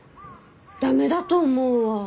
駄目だと思うわ。